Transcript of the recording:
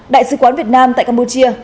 đại sứ quán việt nam tại campuchia